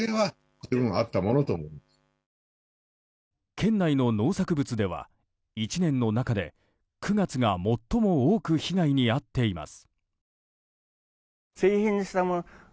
県内の農作物では１年の中で９月が最も多く被害に遭っています。